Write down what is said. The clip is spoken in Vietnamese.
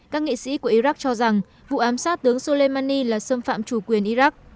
các nghị sĩ của iraq cho rằng vụ ám sát tướng soleimani là xâm phạm chủ quyền iraq